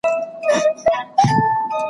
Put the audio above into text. هم په سپیو کي د کلي وو غښتلی `